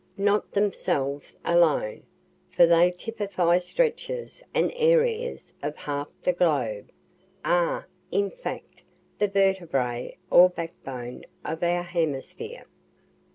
Not themselves alone, for they typify stretches and areas of half the globe are, in fact, the vertebrae or back bone of our hemisphere.